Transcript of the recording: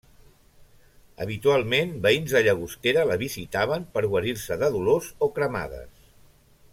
Habitualment veïns de Llagostera la visitaven per guarir-se de dolors o cremades.